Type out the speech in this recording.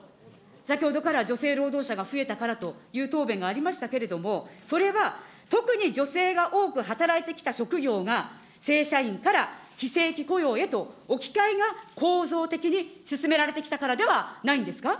先ほどから女性労働者が増えたからという答弁がありましたけれども、それは特に女性が多く働いてきた職業が、正社員から非正規雇用へと、置き換えが構造的に進められてきたからではないんですか。